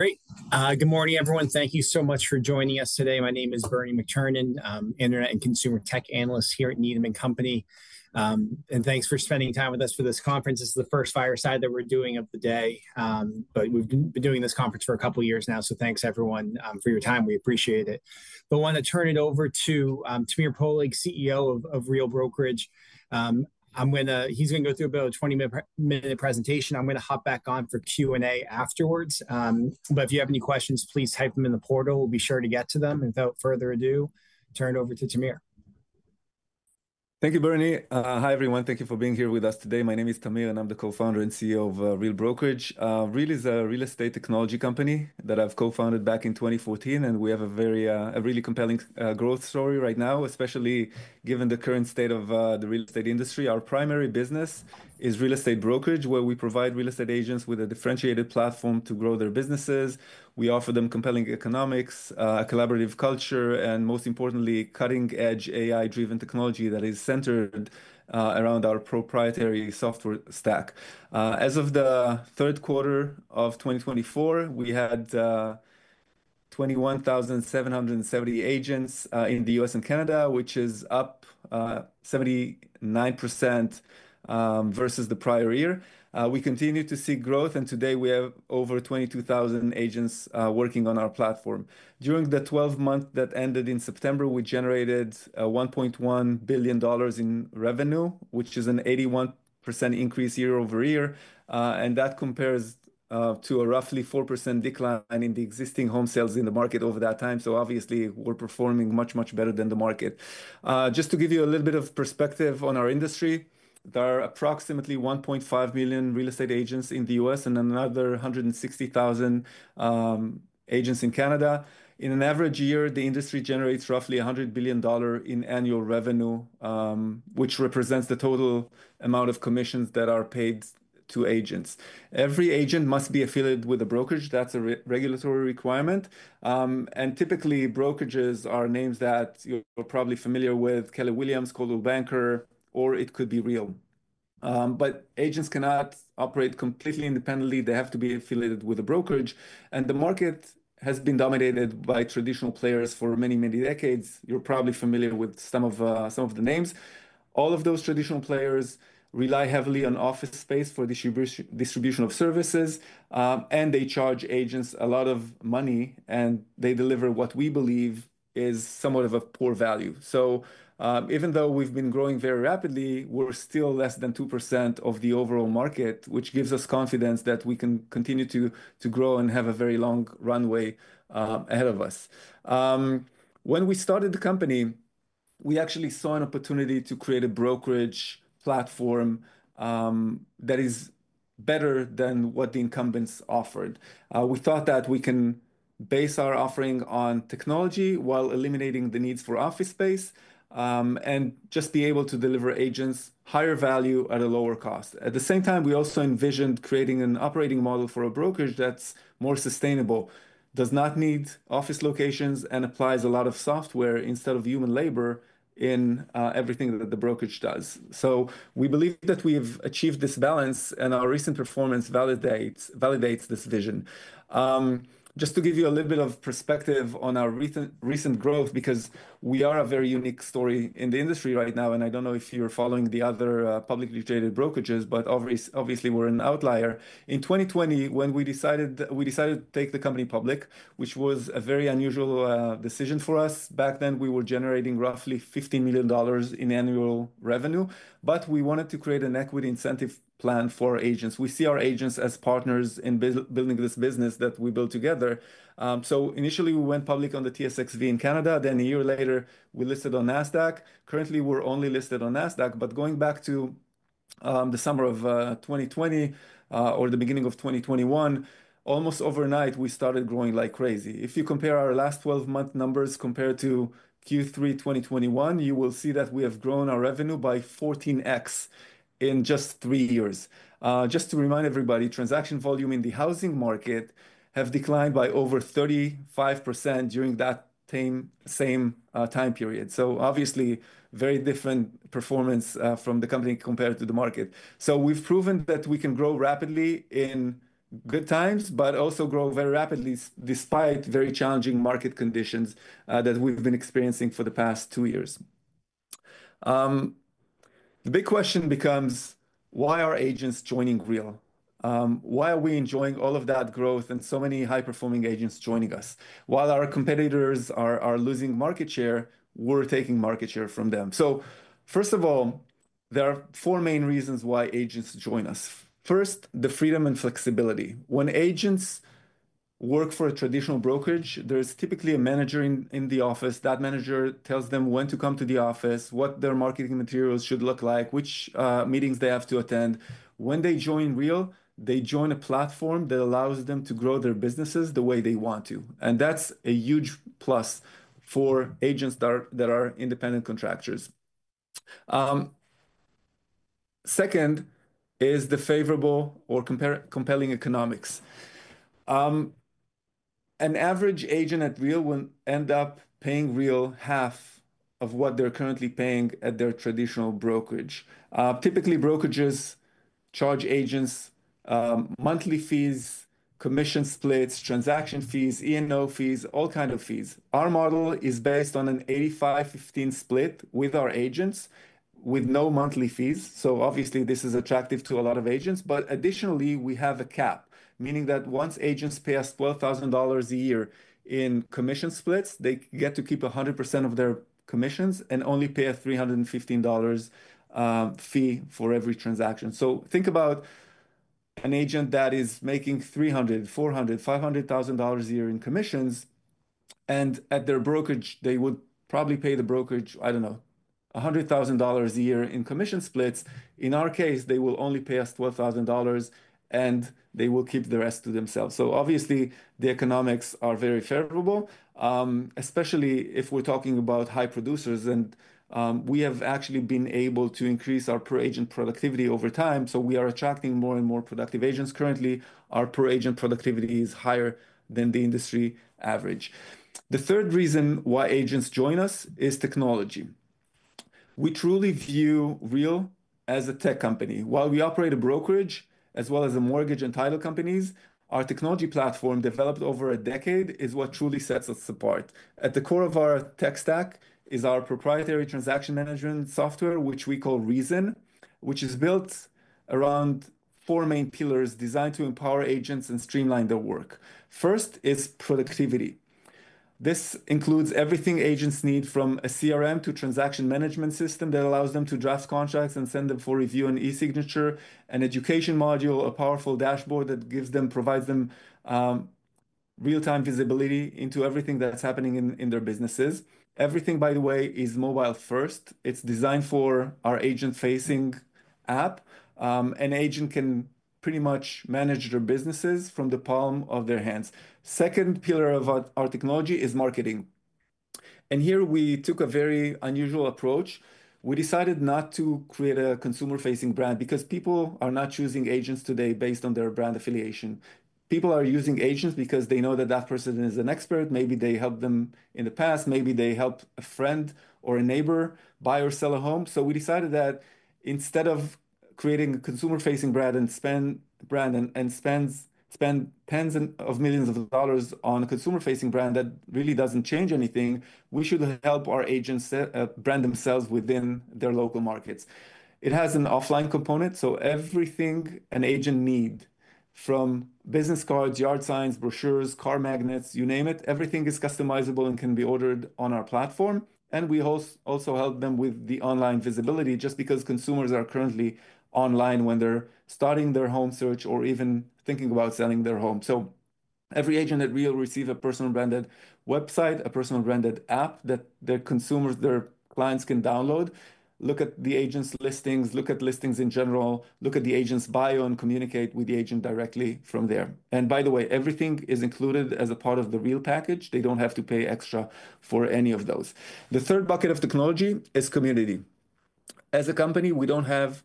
Great. Good morning, everyone. Thank you so much for joining us today. My name is Bernie McTernan, Internet and Consumer Tech Analyst here at Needham & Company, and thanks for spending time with us for this conference. This is the first fireside that we're doing of the day, but we've been doing this conference for a couple of years now, so thanks, everyone, for your time. We appreciate it, but I want to turn it over to Tamir Poleg, CEO of Real Brokerage. He's going to go through about a 20-minute presentation. I'm going to hop back on for Q&A afterwards, but if you have any questions, please type them in the portal. We'll be sure to get to them, and without further ado, turn it over to Tamir. Thank you, Bernie. Hi, everyone. Thank you for being here with us today. My name is Tamir, and I'm the Co-founder and CEO of Real Brokerage. Real is a real estate technology company that I've co-founded back in 2014, and we have a very compelling growth story right now, especially given the current state of the real estate industry. Our primary business is real estate brokerage, where we provide real estate agents with a differentiated platform to grow their businesses. We offer them compelling economics, a collaborative culture, and most importantly, cutting-edge AI-driven technology that is centered around our proprietary software stack. As of the third quarter of 2024, we had 21,770 agents in the U.S. and Canada, which is up 79% versus the prior year. We continue to see growth, and today, we have over 22,000 agents working on our platform. During the 12 months that ended in September, we generated $1.1 billion in revenue, which is an 81% increase year over year, and that compares to a roughly 4% decline in the existing home sales in the market over that time, so obviously, we're performing much, much better than the market. Just to give you a little bit of perspective on our industry, there are approximately 1.5 million real estate agents in the U.S. and another 160,000 agents in Canada. In an average year, the industry generates roughly $100 billion in annual revenue, which represents the total amount of commissions that are paid to agents. Every agent must be affiliated with a brokerage. That's a regulatory requirement, and typically, brokerages are names that you're probably familiar with: Keller Williams, Coldwell Banker, or it could be Real. But agents cannot operate completely independently. They have to be affiliated with a brokerage. And the market has been dominated by traditional players for many, many decades. You're probably familiar with some of the names. All of those traditional players rely heavily on office space for the distribution of services. And they charge agents a lot of money. And they deliver what we believe is somewhat of a poor value. So even though we've been growing very rapidly, we're still less than 2% of the overall market, which gives us confidence that we can continue to grow and have a very long runway ahead of us. When we started the company, we actually saw an opportunity to create a brokerage platform that is better than what the incumbents offered. We thought that we can base our offering on technology while eliminating the needs for office space and just be able to deliver agents higher value at a lower cost. At the same time, we also envisioned creating an operating model for a brokerage that's more sustainable, does not need office locations, and applies a lot of software instead of human labor in everything that the brokerage does. So we believe that we have achieved this balance, and our recent performance validates this vision. Just to give you a little bit of perspective on our recent growth, because we are a very unique story in the industry right now, and I don't know if you're following the other publicly traded brokerages, but obviously, we're an outlier. In 2020, when we decided to take the company public, which was a very unusual decision for us, back then, we were generating roughly $15 million in annual revenue. But we wanted to create an equity incentive plan for agents. We see our agents as partners in building this business that we built together. So initially, we went public on the TSXV in Canada. Then a year later, we listed on NASDAQ. Currently, we're only listed on NASDAQ. But going back to the summer of 2020 or the beginning of 2021, almost overnight, we started growing like crazy. If you compare our last 12-month numbers compared to Q3 2021, you will see that we have grown our revenue by 14x in just three years. Just to remind everybody, transaction volume in the housing market has declined by over 35% during that same time period. So obviously, very different performance from the company compared to the market. So we've proven that we can grow rapidly in good times, but also grow very rapidly despite very challenging market conditions that we've been experiencing for the past two years. The big question becomes, why are agents joining Real? Why are we enjoying all of that growth and so many high-performing agents joining us? While our competitors are losing market share, we're taking market share from them. So first of all, there are four main reasons why agents join us. First, the freedom and flexibility. When agents work for a traditional brokerage, there is typically a manager in the office. That manager tells them when to come to the office, what their marketing materials should look like, which meetings they have to attend. When they join Real, they join a platform that allows them to grow their businesses the way they want to. And that's a huge plus for agents that are independent contractors. Second is the favorable or compelling economics. An average agent at Real will end up paying Real half of what they're currently paying at their traditional brokerage. Typically, brokerages charge agents monthly fees, commission splits, transaction fees, E&O fees, all kinds of fees. Our model is based on an 85-15 split with our agents with no monthly fees so obviously, this is attractive to a lot of agents but additionally, we have a cap, meaning that once agents pay us $12,000 a year in commission splits, they get to keep 100% of their commissions and only pay a $315 fee for every transaction so think about an agent that is making $300,000, $400,000, $500,000 a year in commissions and at their brokerage, they would probably pay the brokerage, I don't know, $100,000 a year in commission splits. In our case, they will only pay us $12,000, and they will keep the rest to themselves so obviously, the economics are very favorable, especially if we're talking about high producers. We have actually been able to increase our per-agent productivity over time. We are attracting more and more productive agents. Currently, our per-agent productivity is higher than the industry average. The third reason why agents join us is technology. We truly view Real as a tech company. While we operate a brokerage as well as a mortgage and title companies, our technology platform developed over a decade is what truly sets us apart. At the core of our tech stack is our proprietary transaction management software, which we call Reason, which is built around four main pillars designed to empower agents and streamline their work. First is productivity. This includes everything agents need, from a CRM to a transaction management system that allows them to draft contracts and send them for review and e-signature, an education module, a powerful dashboard that provides them real-time visibility into everything that's happening in their businesses. Everything, by the way, is mobile-first. It's designed for our agent-facing app. An agent can pretty much manage their businesses from the palm of their hands. The second pillar of our technology is marketing. And here, we took a very unusual approach. We decided not to create a consumer-facing brand because people are not choosing agents today based on their brand affiliation. People are using agents because they know that that person is an expert. Maybe they helped them in the past. Maybe they helped a friend or a neighbor buy or sell a home. We decided that instead of creating a consumer-facing brand and spend tens of millions of dollars on a consumer-facing brand that really doesn't change anything, we should help our agents brand themselves within their local markets. It has an offline component. So everything an agent needs, from business cards, yard signs, brochures, car magnets, you name it, everything is customizable and can be ordered on our platform. And we also help them with the online visibility just because consumers are currently online when they're starting their home search or even thinking about selling their home. So every agent at Real receives a personally branded website, a personally branded app that their clients can download. Look at the agent's listings. Look at listings in general. Look at the agent's bio and communicate with the agent directly from there. And by the way, everything is included as a part of the Real package. They don't have to pay extra for any of those. The third bucket of technology is community. As a company, we don't have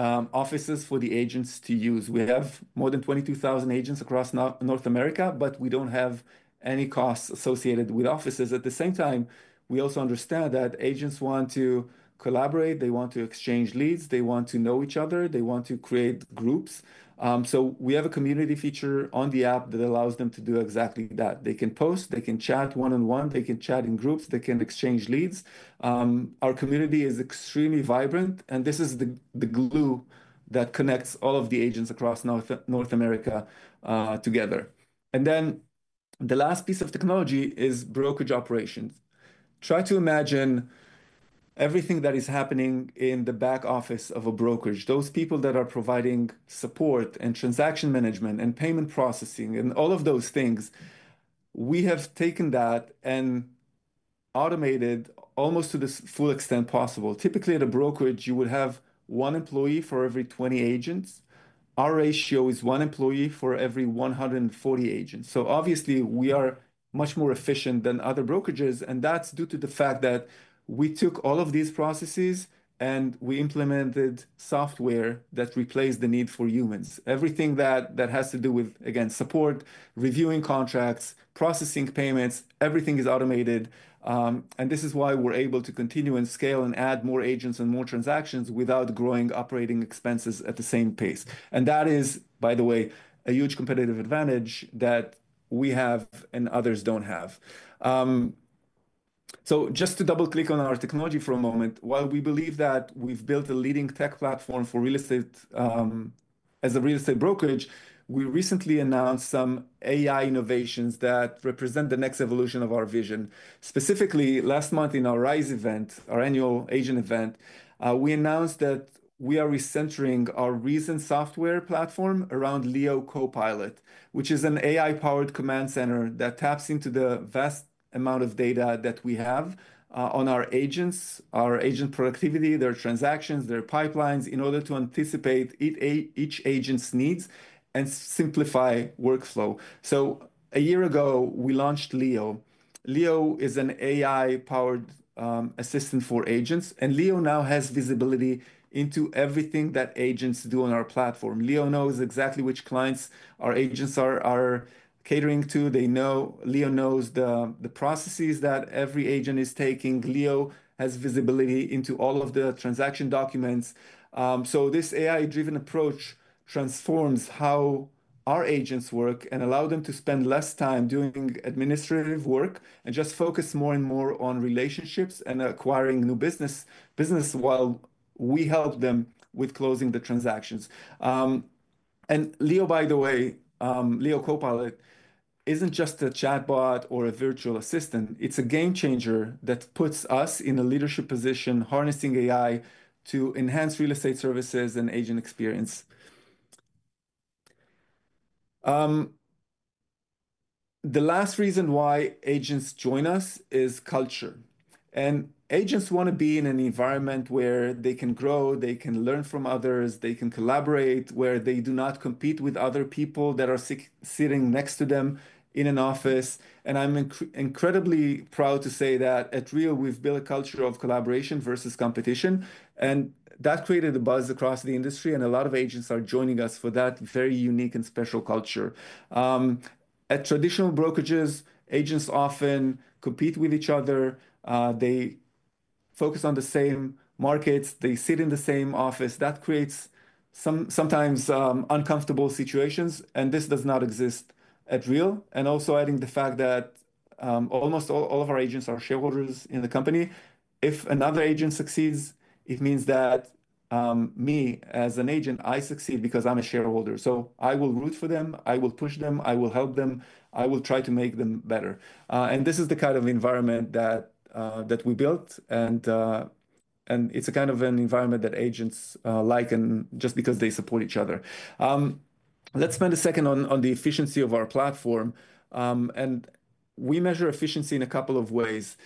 offices for the agents to use. We have more than 22,000 agents across North America, but we don't have any costs associated with offices. At the same time, we also understand that agents want to collaborate. They want to exchange leads. They want to know each other. They want to create groups. So we have a community feature on the app that allows them to do exactly that. They can post. They can chat one-on-one. They can chat in groups. They can exchange leads. Our community is extremely vibrant. And this is the glue that connects all of the agents across North America together. Then the last piece of technology is brokerage operations. Try to imagine everything that is happening in the back office of a brokerage. Those people that are providing support and transaction management and payment processing and all of those things. We have taken that and automated almost to the full extent possible. Typically, at a brokerage, you would have one employee for every 20 agents. Our ratio is one employee for every 140 agents. Obviously, we are much more efficient than other brokerages. That's due to the fact that we took all of these processes and we implemented software that replaced the need for humans. Everything that has to do with, again, support, reviewing contracts, processing payments, everything is automated. This is why we're able to continue and scale and add more agents and more transactions without growing operating expenses at the same pace. And that is, by the way, a huge competitive advantage that we have and others don't have. So just to double-click on our technology for a moment, while we believe that we've built a leading tech platform for real estate as a real estate brokerage, we recently announced some AI innovations that represent the next evolution of our vision. Specifically, last month in our RISE event, our annual agent event, we announced that we are recentering our Reason software platform around Leo Copilot, which is an AI-powered command center that taps into the vast amount of data that we have on our agents, our agent productivity, their transactions, their pipelines in order to anticipate each agent's needs and simplify workflow. So a year ago, we launched Leo. Leo is an AI-powered assistant for agents. And Leo now has visibility into everything that agents do on our platform. Leo knows exactly which clients our agents are catering to. Leo knows the processes that every agent is taking. Leo has visibility into all of the transaction documents. So this AI-driven approach transforms how our agents work and allows them to spend less time doing administrative work and just focus more and more on relationships and acquiring new business while we help them with closing the transactions. And Leo, by the way, Leo Copilot isn't just a chatbot or a virtual assistant. It's a game changer that puts us in a leadership position, harnessing AI to enhance real estate services and agent experience. The last reason why agents join us is culture. And agents want to be in an environment where they can grow, they can learn from others, they can collaborate, where they do not compete with other people that are sitting next to them in an office. I'm incredibly proud to say that at Real, we've built a culture of collaboration versus competition. That created a buzz across the industry. A lot of agents are joining us for that very unique and special culture. At traditional brokerages, agents often compete with each other. They focus on the same markets. They sit in the same office. That creates sometimes uncomfortable situations. This does not exist at Real. Also adding the fact that almost all of our agents are shareholders in the company. If another agent succeeds, it means that me as an agent, I succeed because I'm a shareholder. I will root for them. I will push them. I will help them. I will try to make them better. This is the kind of environment that we built. It's a kind of an environment that agents like just because they support each other. Let's spend a second on the efficiency of our platform. We measure efficiency in a couple of ways.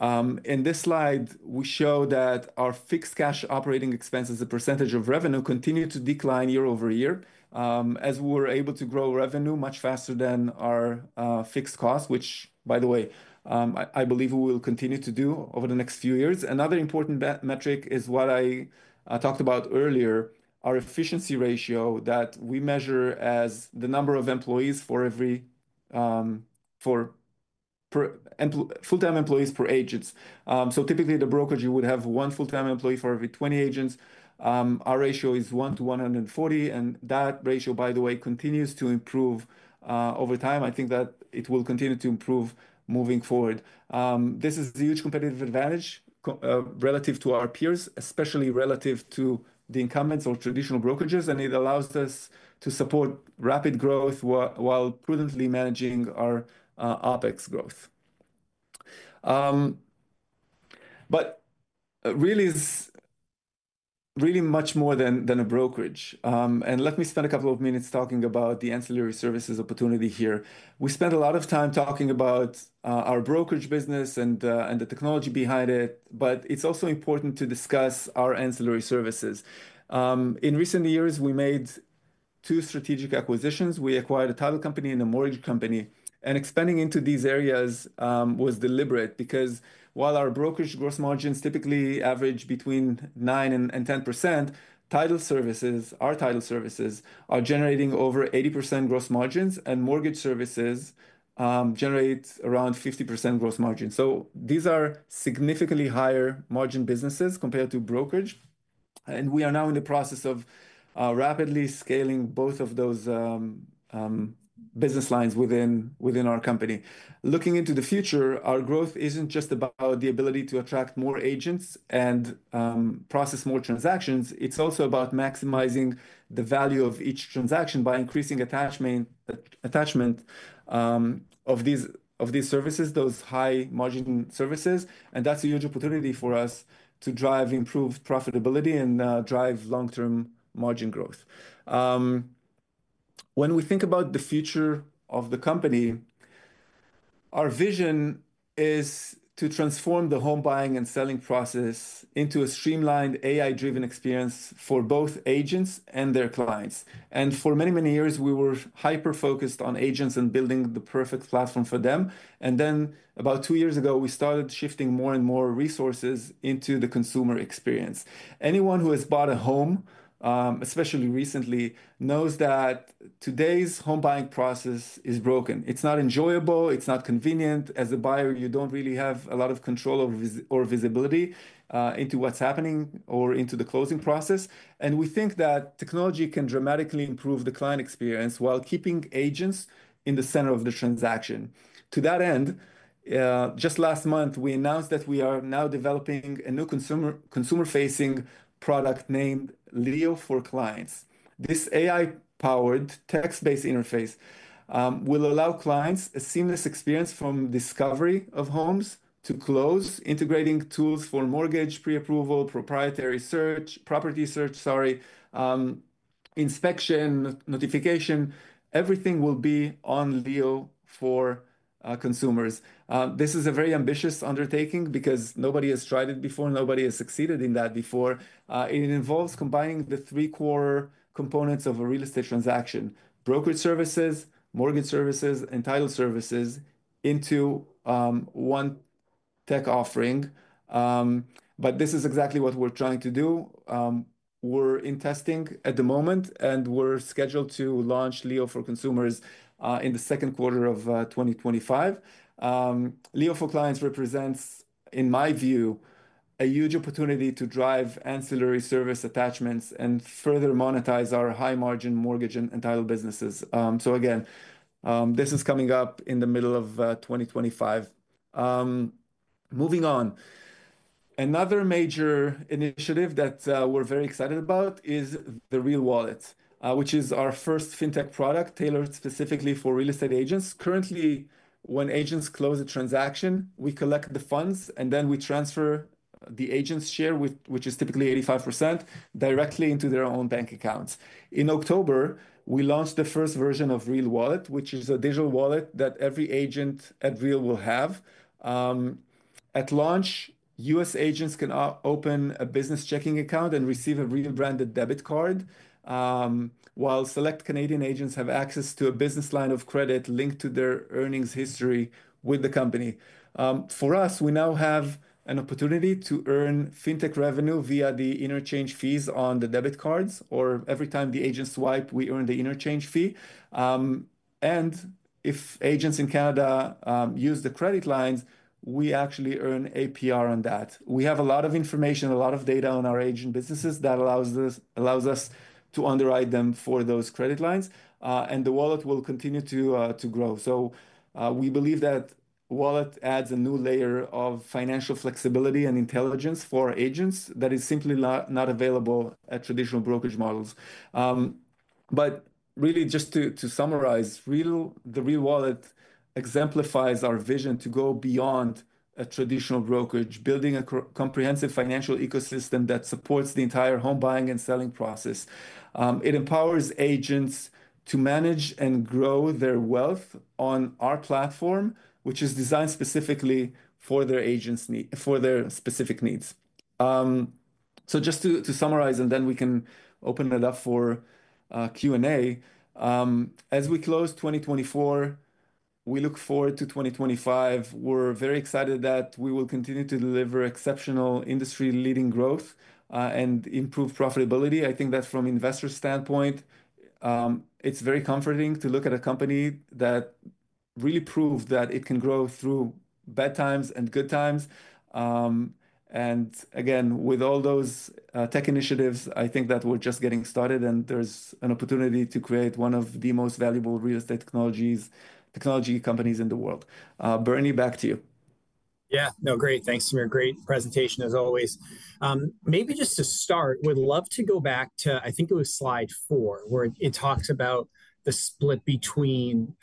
In this slide, we show that our fixed cash operating expenses, the percentage of revenue, continue to decline year over year as we're able to grow revenue much faster than our fixed costs, which, by the way, I believe we will continue to do over the next few years. Another important metric is what I talked about earlier, our efficiency ratio that we measure as the number of employees for full-time employees per agent. So typically, at a brokerage, you would have one full-time employee for every 20 agents. Our ratio is 1:140. That ratio, by the way, continues to improve over time. I think that it will continue to improve moving forward. This is a huge competitive advantage relative to our peers, especially relative to the incumbents or traditional brokerages, and it allows us to support rapid growth while prudently managing our OpEx growth, but Real is really much more than a brokerage, and let me spend a couple of minutes talking about the ancillary services opportunity here. We spent a lot of time talking about our brokerage business and the technology behind it, but it's also important to discuss our ancillary services. In recent years, we made two strategic acquisitions. We acquired a title company and a mortgage company, and expanding into these areas was deliberate because while our brokerage gross margins typically average between 9%-10%, our title services are generating over 80% gross margins, and mortgage services generate around 50% gross margin. So these are significantly higher margin businesses compared to brokerage. And we are now in the process of rapidly scaling both of those business lines within our company. Looking into the future, our growth isn't just about the ability to attract more agents and process more transactions. It's also about maximizing the value of each transaction by increasing attachment of these services, those high-margin services. And that's a huge opportunity for us to drive improved profitability and drive long-term margin growth. When we think about the future of the company, our vision is to transform the home buying and selling process into a streamlined AI-driven experience for both agents and their clients. And for many, many years, we were hyper-focused on agents and building the perfect platform for them. And then about two years ago, we started shifting more and more resources into the consumer experience. Anyone who has bought a home, especially recently, knows that today's home buying process is broken. It's not enjoyable. It's not convenient. As a buyer, you don't really have a lot of control or visibility into what's happening or into the closing process. And we think that technology can dramatically improve the client experience while keeping agents in the center of the transaction. To that end, just last month, we announced that we are now developing a new consumer-facing product named Leo for Clients. This AI-powered text-based interface will allow clients a seamless experience from discovery of homes to close, integrating tools for mortgage, pre-approval, property search, sorry, inspection, notification. Everything will be on Leo for Consumers. This is a very ambitious undertaking because nobody has tried it before. Nobody has succeeded in that before. It involves combining the three core components of a real estate transaction: brokerage services, mortgage services, and title services into one tech offering. But this is exactly what we're trying to do. We're in testing at the moment, and we're scheduled to launch Leo for Consumers in the second quarter of 2025. Leo for Clients represents, in my view, a huge opportunity to drive ancillary service attachments and further monetize our high-margin mortgage and title businesses. So again, this is coming up in the middle of 2025. Moving on, another major initiative that we're very excited about is the Real Wallet, which is our first fintech product tailored specifically for real estate agents. Currently, when agents close a transaction, we collect the funds, and then we transfer the agent's share, which is typically 85%, directly into their own bank accounts. In October, we launched the first version of Real Wallet, which is a digital wallet that every agent at Real will have. At launch, U.S. agents can open a business checking account and receive a Real-branded debit card, while select Canadian agents have access to a business line of credit linked to their earnings history with the company. For us, we now have an opportunity to earn fintech revenue via the interchange fees on the debit cards. Or every time the agents swipe, we earn the interchange fee. And if agents in Canada use the credit lines, we actually earn APR on that. We have a lot of information, a lot of data on our agent businesses that allows us to underwrite them for those credit lines. And the wallet will continue to grow. We believe that wallet adds a new layer of financial flexibility and intelligence for agents that is simply not available at traditional brokerage models. Really, just to summarize, the Real Wallet exemplifies our vision to go beyond a traditional brokerage, building a comprehensive financial ecosystem that supports the entire home buying and selling process. It empowers agents to manage and grow their wealth on our platform, which is designed specifically for their specific needs. Just to summarize, and then we can open it up for Q&A. As we close 2024, we look forward to 2025. We're very excited that we will continue to deliver exceptional industry-leading growth and improved profitability. I think that from an investor standpoint, it's very comforting to look at a company that really proved that it can grow through bad times and good times. And again, with all those tech initiatives, I think that we're just getting started, and there's an opportunity to create one of the most valuable real estate technology companies in the world. Bernie, back to you. Yeah. No, great. Thanks, Tamir. Great presentation, as always. Maybe just to start, we'd love to go back to, I think it was slide four, where it talks about the split between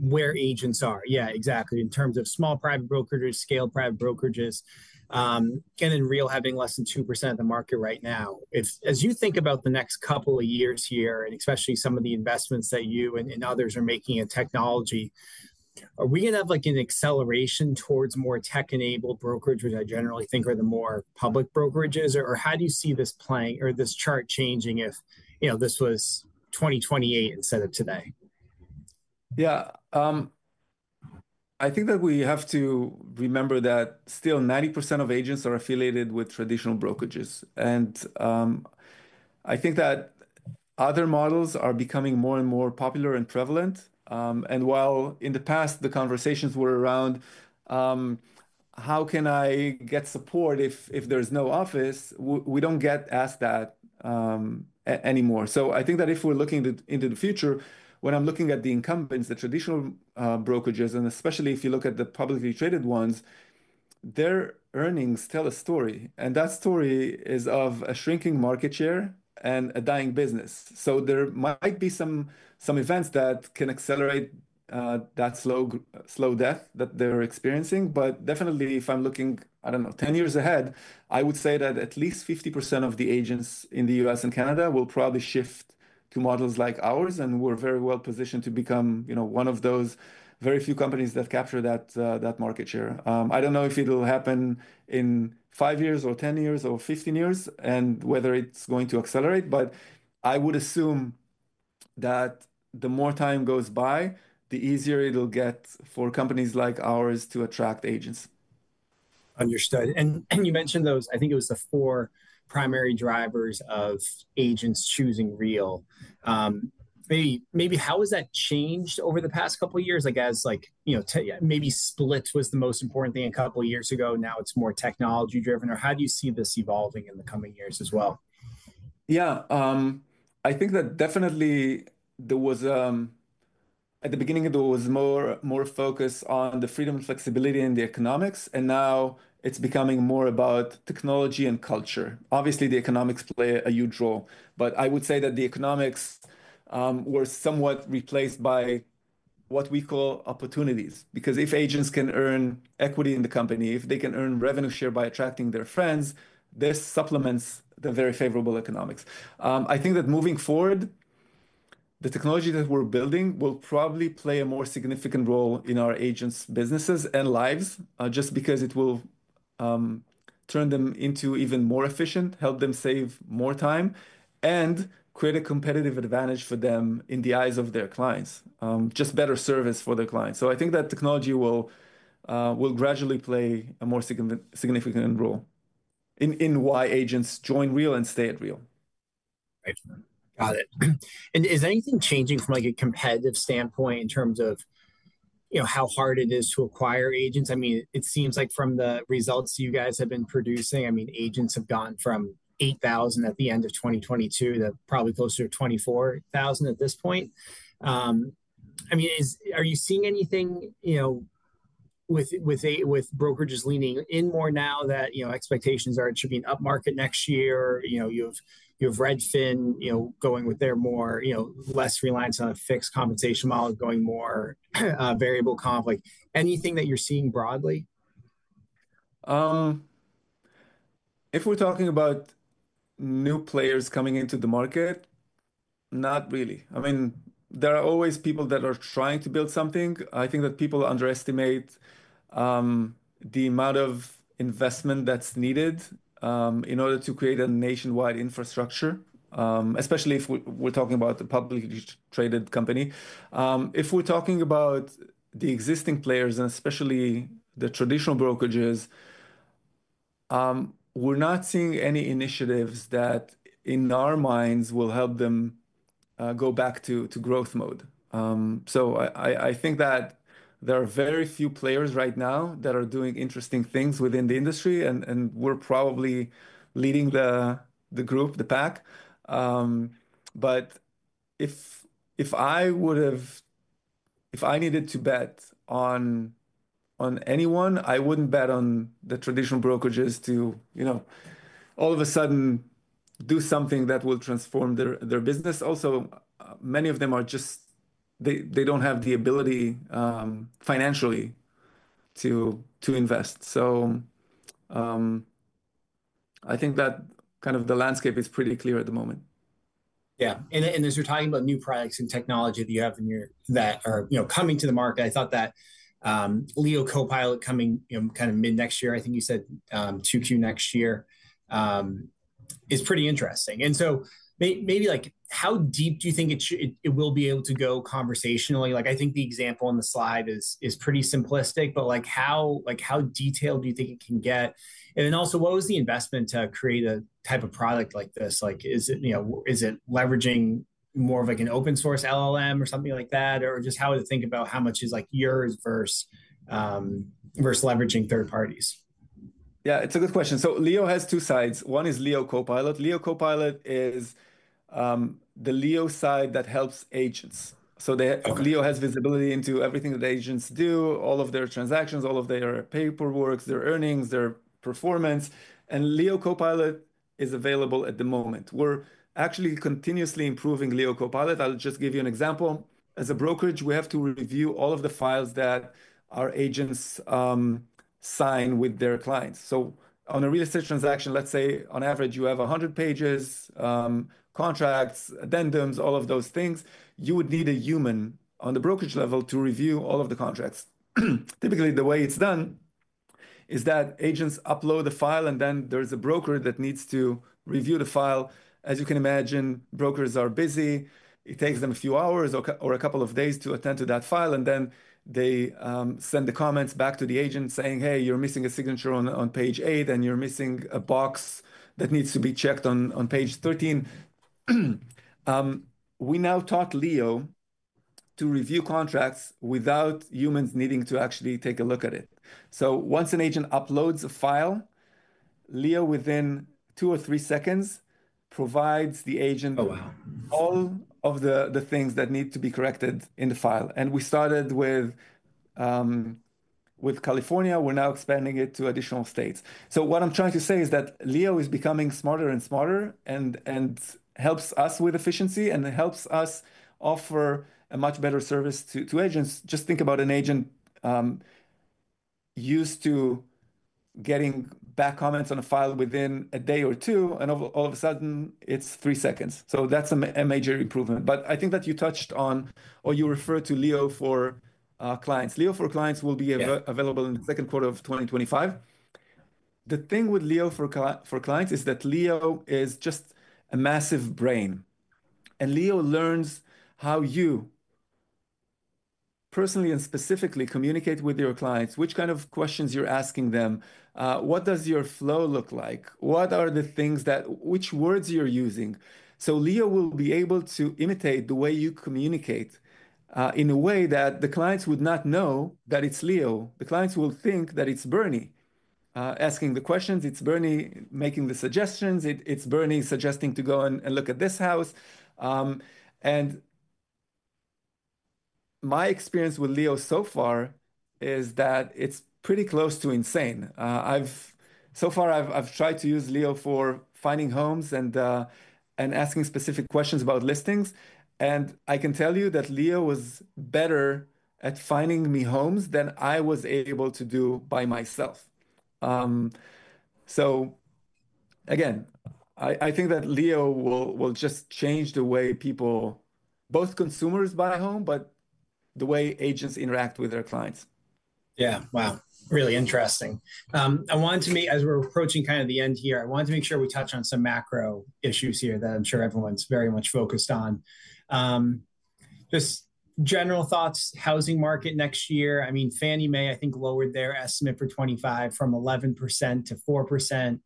where agents are. Yeah, exactly. In terms of small private brokerages, scaled private brokerages, and then Real having less than 2% of the market right now. As you think about the next couple of years here, and especially some of the investments that you and others are making in technology, are we going to have an acceleration towards more tech-enabled brokerages, which I generally think are the more public brokerages? Or how do you see this chart changing if this was 2028 instead of today? Yeah. I think that we have to remember that still 90% of agents are affiliated with traditional brokerages. And I think that other models are becoming more and more popular and prevalent. And while in the past, the conversations were around, "How can I get support if there's no office?" we don't get asked that anymore. So I think that if we're looking into the future, when I'm looking at the incumbents, the traditional brokerages, and especially if you look at the publicly traded ones, their earnings tell a story. And that story is of a shrinking market share and a dying business. So there might be some events that can accelerate that slow death that they're experiencing. But definitely, if I'm looking, I don't know, 10 years ahead, I would say that at least 50% of the agents in the U.S. and Canada will probably shift to models like ours. And we're very well positioned to become one of those very few companies that capture that market share. I don't know if it'll happen in five years or 10 years or 15 years and whether it's going to accelerate. But I would assume that the more time goes by, the easier it'll get for companies like ours to attract agents. Understood. And you mentioned those, I think it was the four primary drivers of agents choosing Real. Maybe how has that changed over the past couple of years? Maybe split was the most important thing a couple of years ago. Now it's more technology-driven. Or how do you see this evolving in the coming years as well? Yeah. I think that definitely at the beginning, there was more focus on the freedom and flexibility in the economics. And now it's becoming more about technology and culture. Obviously, the economics play a huge role. But I would say that the economics were somewhat replaced by what we call opportunities. Because if agents can earn equity in the company, if they can earn revenue share by attracting their friends, this supplements the very favorable economics. I think that moving forward, the technology that we're building will probably play a more significant role in our agents' businesses and lives just because it will turn them into even more efficient, help them save more time, and create a competitive advantage for them in the eyes of their clients, just better service for their clients. So I think that technology will gradually play a more significant role in why agents join Real and stay at Real. Got it. And is anything changing from a competitive standpoint in terms of how hard it is to acquire agents? I mean, it seems like from the results you guys have been producing, I mean, agents have gone from 8,000 at the end of 2022 to probably closer to 24,000 at this point. I mean, are you seeing anything with brokerages leaning in more now that expectations are it should be an upmarket next year? You have Redfin going with their less reliance on a fixed compensation model, going more variable comp. Anything that you're seeing broadly? If we're talking about new players coming into the market, not really. I mean, there are always people that are trying to build something. I think that people underestimate the amount of investment that's needed in order to create a nationwide infrastructure, especially if we're talking about a publicly traded company. If we're talking about the existing players, and especially the traditional brokerages, we're not seeing any initiatives that in our minds will help them go back to growth mode. So I think that there are very few players right now that are doing interesting things within the industry. And we're probably leading the group, the pack. But if I needed to bet on anyone, I wouldn't bet on the traditional brokerages to all of a sudden do something that will transform their business. Also, many of them are just, they don't have the ability financially to invest. So I think that kind of the landscape is pretty clear at the moment. Yeah. As you're talking about new products and technology that you have that are coming to the market, I thought that Leo Copilot coming kind of mid next year, I think you said Q2 next year, is pretty interesting. So maybe how deep do you think it will be able to go conversationally? I think the example on the slide is pretty simplistic, but how detailed do you think it can get? And then also, what was the investment to create a type of product like this? Is it leveraging more of an open-source LLM or something like that? Or just how to think about how much is yours versus leveraging third parties? Yeah, it's a good question. Leo has two sides. One is Leo Copilot. Leo Copilot is the Leo side that helps agents. So Leo has visibility into everything that agents do, all of their transactions, all of their paperwork, their earnings, their performance. And Leo Copilot is available at the moment. We're actually continuously improving Leo Copilot. I'll just give you an example. As a brokerage, we have to review all of the files that our agents sign with their clients. So on a real estate transaction, let's say on average, you have 100 pages, contracts, addendums, all of those things. You would need a human on the brokerage level to review all of the contracts. Typically, the way it's done is that agents upload the file, and then there's a broker that needs to review the file. As you can imagine, brokers are busy. It takes them a few hours or a couple of days to attend to that file. And then they send the comments back to the agent saying, "Hey, you're missing a signature on page 8, and you're missing a box that needs to be checked on page 13." We now taught Leo to review contracts without humans needing to actually take a look at it. So once an agent uploads a file, Leo, within two or three seconds, provides the agent all of the things that need to be corrected in the file. And we started with California. We're now expanding it to additional states. So what I'm trying to say is that Leo is becoming smarter and smarter and helps us with efficiency and helps us offer a much better service to agents. Just think about an agent used to getting back comments on a file within a day or two, and all of a sudden, it's three seconds. So that's a major improvement. But I think that you touched on, or you referred to Leo for Clients. Leo for Clients will be available in the second quarter of 2025. The thing with Leo for Clients is that Leo is just a massive brain. And Leo learns how you personally and specifically communicate with your clients, which kind of questions you're asking them, what does your flow look like, what are the things that which words you're using. So Leo will be able to imitate the way you communicate in a way that the clients would not know that it's Leo. The clients will think that it's Bernie asking the questions. It's Bernie making the suggestions. It's Bernie suggesting to go and look at this house. And my experience with Leo so far is that it's pretty close to insane. So far, I've tried to use Leo for finding homes and asking specific questions about listings, and I can tell you that Leo was better at finding me homes than I was able to do by myself, so again, I think that Leo will just change the way people, both consumers buy home, but the way agents interact with their clients. Yeah. Wow. Really interesting. As we're approaching kind of the end here, I wanted to make sure we touch on some macro issues here that I'm sure everyone's very much focused on. Just general thoughts, housing market next year. I mean, Fannie Mae, I think, lowered their estimate for 2025 from 11% to 4%. I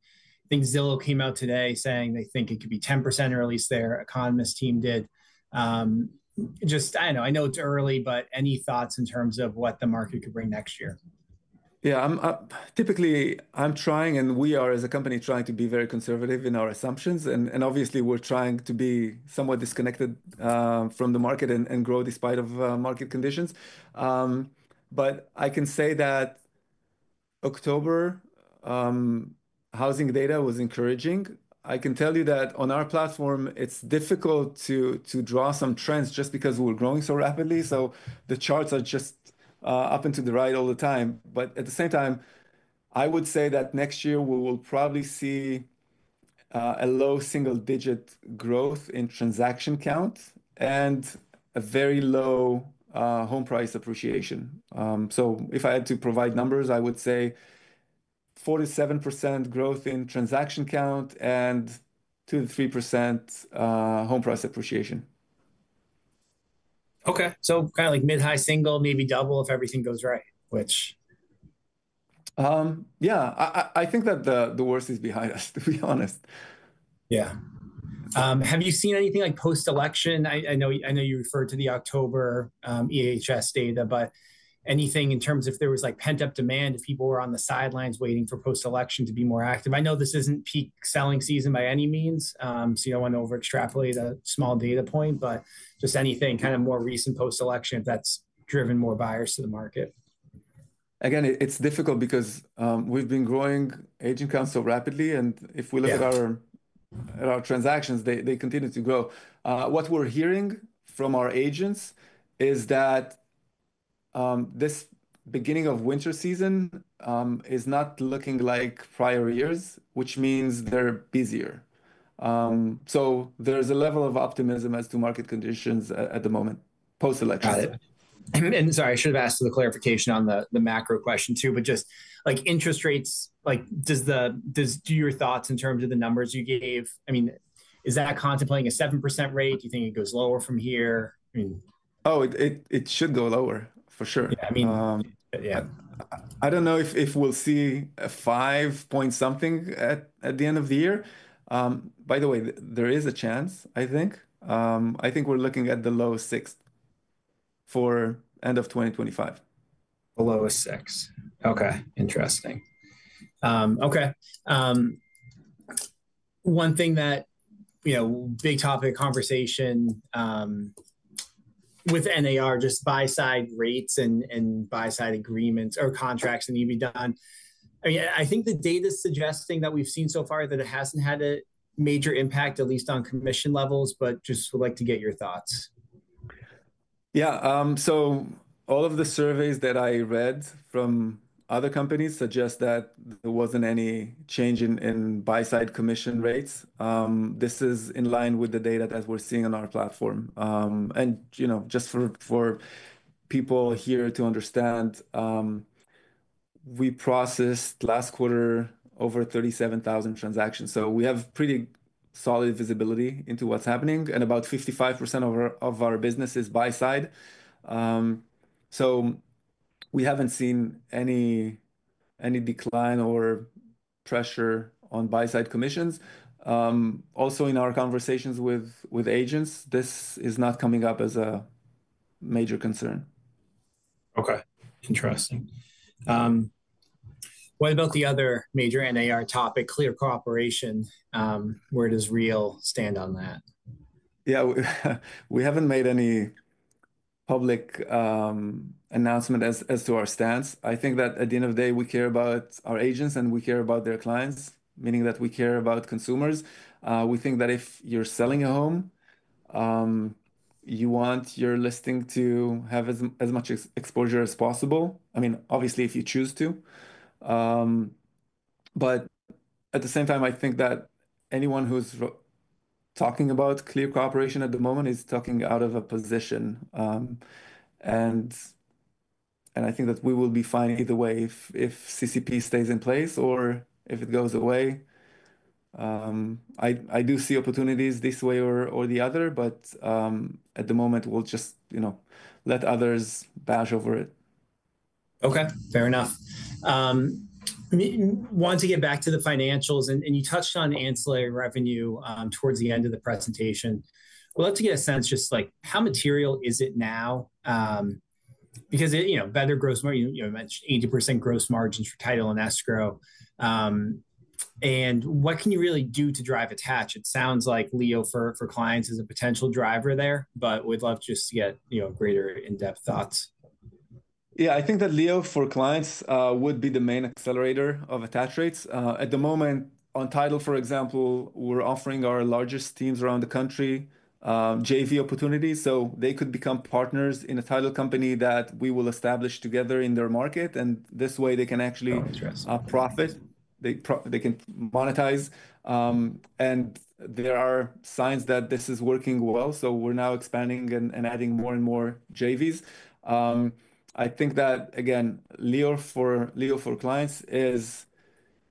think Zillow came out today saying they think it could be 10%, or at least their economist team did. Just, I don't know, I know it's early, but any thoughts in terms of what the market could bring next year? Yeah. Typically, I'm trying, and we are, as a company, trying to be very conservative in our assumptions. And obviously, we're trying to be somewhat disconnected from the market and grow despite of market conditions. But I can say that October housing data was encouraging. I can tell you that on our platform, it's difficult to draw some trends just because we're growing so rapidly. So the charts are just up and to the right all the time. But at the same time, I would say that next year, we will probably see a low single-digit growth in transaction count and a very low home price appreciation. So if I had to provide numbers, I would say 47% growth in transaction count and 2-3% home price appreciation. Okay. So kind of like mid-high single, maybe double if everything goes right, which? Yeah. I think that the worst is behind us, to be honest. Yeah. Have you seen anything like post-election? I know you referred to the October EHS data, but anything in terms of if there was pent-up demand, if people were on the sidelines waiting for post-election to be more active? I know this isn't peak selling season by any means, so you don't want to overextrapolate a small data point, but just anything kind of more recent post-election that's driven more buyers to the market. Again, it's difficult because we've been growing agent counts so rapidly. And if we look at our transactions, they continue to grow. What we're hearing from our agents is that this beginning of winter season is not looking like prior years, which means they're busier. So there's a level of optimism as to market conditions at the moment post-election. Got it, and sorry, I should have asked for the clarification on the macro question too, but just interest rates, do your thoughts in terms of the numbers you gave? I mean, is that contemplating a 7% rate? Do you think it goes lower from here? Oh, it should go lower, for sure. Yeah. I mean, yeah. I don't know if we'll see a 5-point something at the end of the year. By the way, there is a chance, I think. I think we're looking at the low 6 for end of 2025. The lowest 6. Okay. Interesting. Okay. One thing, that big topic of conversation with NAR, just buy-side rates and buy-side agreements or contracts that need to be done. I mean, I think the data is suggesting that we've seen so far that it hasn't had a major impact, at least on commission levels, but just would like to get your thoughts. Yeah. So all of the surveys that I read from other companies suggest that there wasn't any change in buy-side commission rates. This is in line with the data that we're seeing on our platform. And just for people here to understand, we processed last quarter over 37,000 transactions. So we have pretty solid visibility into what's happening. And about 55% of our business is buy-side. So we haven't seen any decline or pressure on buy-side commissions. Also, in our conversations with agents, this is not coming up as a major concern. Okay. Interesting. What about the other major NAR topic, Clear Cooperation, where does Real stand on that? Yeah. We haven't made any public announcement as to our stance. I think that at the end of the day, we care about our agents and we care about their clients, meaning that we care about consumers. We think that if you're selling a home, you want your listing to have as much exposure as possible. I mean, obviously, if you choose to. But at the same time, I think that anyone who's talking about Clear Cooperation at the moment is talking out of a position. And I think that we will be fine either way if CCP stays in place or if it goes away. I do see opportunities this way or the other, but at the moment, we'll just let others bash over it. Okay. Fair enough. I mean, wanting to get back to the financials, and you touched on ancillary revenue towards the end of the presentation. I'd love to get a sense just how material is it now? Because better gross margin, you mentioned 80% gross margins for title and escrow. And what can you really do to drive attach? It sounds like Leo for Clients is a potential driver there, but we'd love just to get greater in-depth thoughts. Yeah. I think that Leo for Clients would be the main accelerator of attach rates. At the moment, on title, for example, we're offering our largest teams around the country JV opportunities. So they could become partners in a title company that we will establish together in their market. And this way, they can actually profit. They can monetize. And there are signs that this is working well. So we're now expanding and adding more and more JVs. I think that, again, Leo for Clients is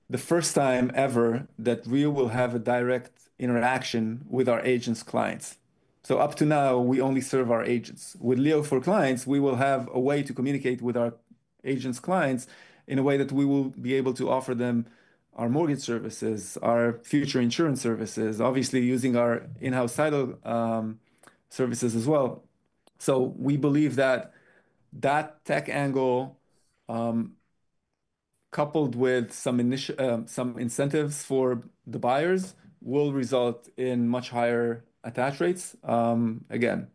the first time ever that we will have a direct interaction with our agents' clients. So up to now, we only serve our agents. With Leo for Clients, we will have a way to communicate with our agents' clients in a way that we will be able to offer them our mortgage services, our future insurance services, obviously using our in-house title services as well. So we believe that that tech angle, coupled with some incentives for the buyers, will result in much higher attach rates. Again,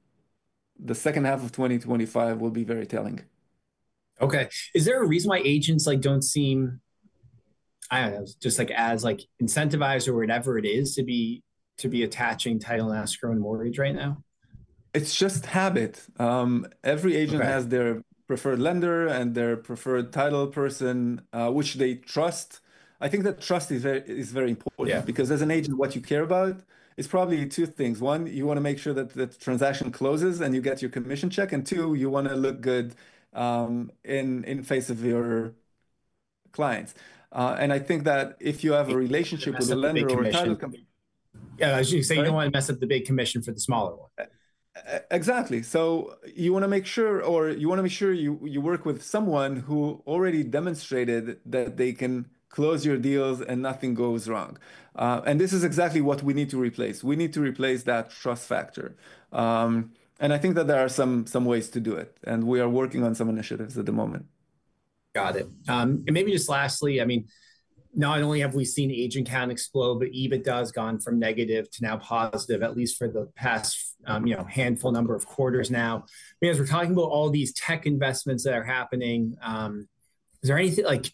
the second half of 2025 will be very telling. Okay. Is there a reason why agents don't seem, I don't know, just as incentivized or whatever it is to be attaching title and escrow and mortgage right now? It's just habit. Every agent has their preferred lender and their preferred title person, which they trust. I think that trust is very important because as an agent, what you care about is probably two things. One, you want to make sure that the transaction closes and you get your commission check. And two, you want to look good in the face of your clients. And I think that if you have a relationship with a lender or a title company. Yeah. I was going to say you don't want to mess up the big commission for the smaller one. Exactly. So you want to make sure, or you want to make sure you work with someone who already demonstrated that they can close your deals and nothing goes wrong. And this is exactly what we need to replace. We need to replace that trust factor. And I think that there are some ways to do it. And we are working on some initiatives at the moment. Got it. And maybe just lastly, I mean, not only have we seen agent count explode, but EBITDA has gone from negative to now positive, at least for the past handful of quarters now. I mean, as we're talking about all these tech investments that are happening, is there anything like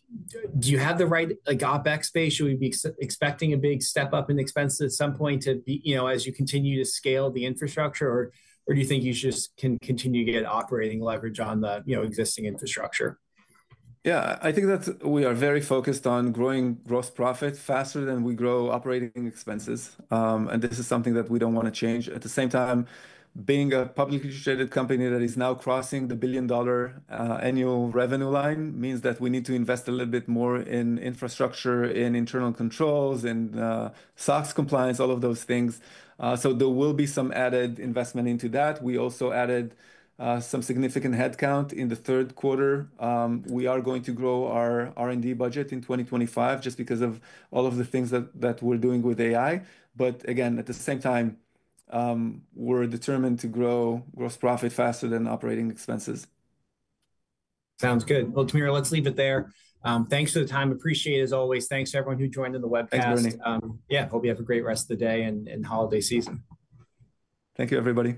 do you have the right OpEx space? Should we be expecting a big step up in expenses at some point as you continue to scale the infrastructure, or do you think you just can continue to get operating leverage on the existing infrastructure? Yeah. I think that we are very focused on growing gross profit faster than we grow operating expenses. And this is something that we don't want to change. At the same time, being a publicly traded company that is now crossing the billion-dollar annual revenue line means that we need to invest a little bit more in infrastructure, in internal controls, in SOX compliance, all of those things. So there will be some added investment into that. We also added some significant headcount in the third quarter. We are going to grow our R&D budget in 2025 just because of all of the things that we're doing with AI. But again, at the same time, we're determined to grow gross profit faster than operating expenses. Sounds good. Well, Tamir, let's leave it there. Thanks for the time. Appreciate it, as always. Thanks to everyone who joined in the webcast. Thanks, Bernie. Yeah. Hope you have a great rest of the day and holiday season. Thank you, everybody.